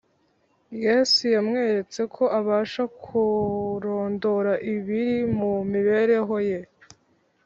Yesu yamweretse ko abasha kurondora ibiri mu mibereho ye